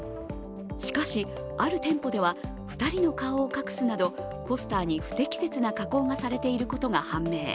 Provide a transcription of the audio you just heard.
しかし、ある店舗では２人の顔を隠すなどポスターに不適切な加工がされていることが判明。